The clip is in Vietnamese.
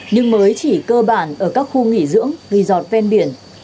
nhưng mới chỉ cơ bản ở các khu nghỉ dưỡng resort ven biển